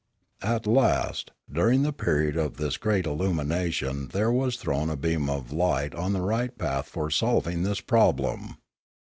At last, during the period of this great illumination there was thrown a beam of light on the right path for solving this problem.